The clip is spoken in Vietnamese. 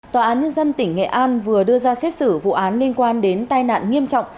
tòa án nhân dân tỉnh nghệ an vừa đưa ra xét xử vụ án liên quan đến tai nạn nghiêm trọng